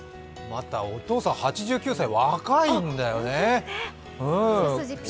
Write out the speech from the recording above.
またお父さん８９歳、若いんだよね！